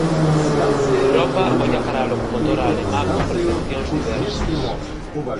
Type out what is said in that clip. Europa olla cara á locomotora alemá con percepcións diversas.